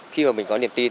khi mà mình có niềm tin